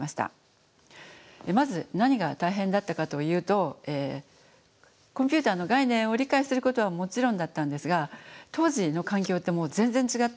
まず何が大変だったかというとコンピューターの概念を理解することはもちろんだったんですが当時の環境って全然違ったんですね。